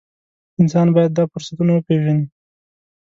انسان باید دا فرصتونه وپېژني.